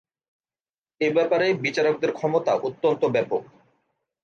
এ ব্যাপারে বিচারকদের ক্ষমতা অত্যন্ত ব্যাপক।